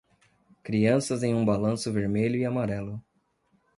Crianças em um balanço vermelho e amarelo.